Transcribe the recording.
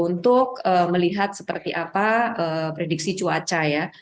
jadi datang kepada bmkg untuk melihat seperti apa prediksi cuaca ya